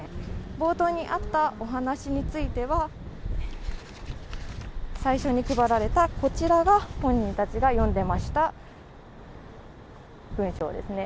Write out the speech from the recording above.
冒頭にあったお話については最初に配られたこちらが本人たちが読んでいました文章ですね。